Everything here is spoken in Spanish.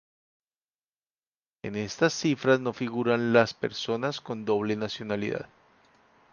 En estas cifras no figuran las personas con doble nacionalidad.